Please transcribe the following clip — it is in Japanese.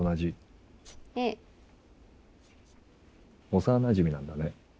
幼なじみなんだね。